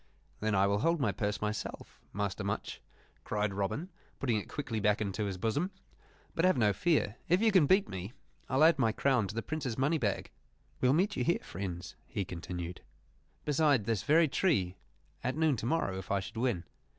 "Then I will hold my purse myself, Master Much," cried Robin, putting it quickly back into his bosom. "But have no fear; if you can beat me, I'll add my crown to the Prince's money bag. We will meet you here, friends," he continued, "beside this very tree, at noon to morrow, if I should win.